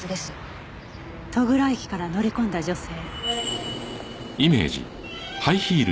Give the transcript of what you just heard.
戸倉駅から乗り込んだ女性。